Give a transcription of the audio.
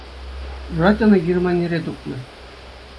Юрать, ӑна Германире тупнӑ.